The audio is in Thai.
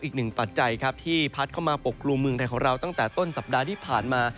ปัจจัยครับที่พัดเข้ามาปกกลุ่มเมืองไทยของเราตั้งแต่ต้นสัปดาห์ที่ผ่านมา